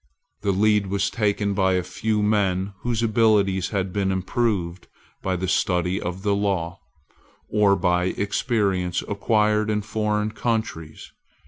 The lead was taken by a few men whose abilities had been improved by the study of the law, or by experience acquired in foreign countries.